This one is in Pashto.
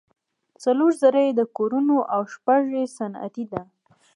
څلور زره یې د کورونو او شپږ یې صنعتي ده.